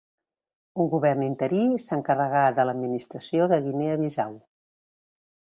Un govern interí s'encarregà de l'administració de Guinea Bissau.